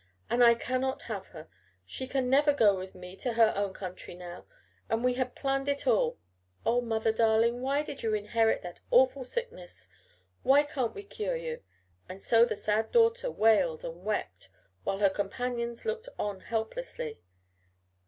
And I cannot have her! She can never go with me to her own country now, and we had planned it all! Oh, mother darling! Why did you inherit that awful sickness! Why can't we cure you!" and so the sad daughter wailed and wept, while her companions looked on helplessly.